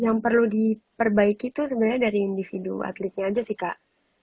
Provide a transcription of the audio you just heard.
yang perlu diperbaiki itu sebenarnya dari individu atletnya aja sih kak